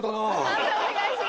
判定お願いします。